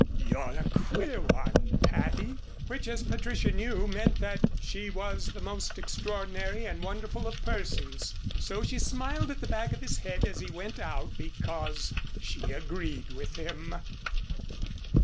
"You're a queer one, Patty," which, as Patricia knew, meant that she was the most extraordinary and wonderful of persons. So she smiled at the back of his head as he went out because she agreed with him.